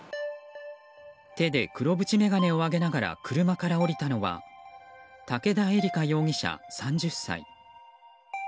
手で黒縁眼鏡を上げながら車から降りたのは武田絵理華容疑者、３０歳。